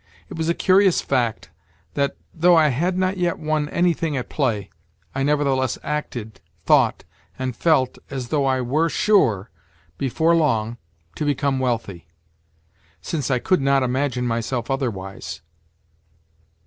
It was a curious fact, that, though I had not yet won anything at play, I nevertheless acted, thought, and felt as though I were sure, before long, to become wealthy—since I could not imagine myself otherwise.